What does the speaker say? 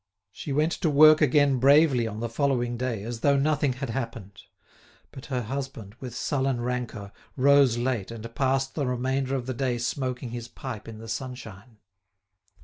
She went to work again bravely on the following day, as though nothing had happened. But her husband, with sullen rancour, rose late and passed the remainder of the day smoking his pipe in the sunshine.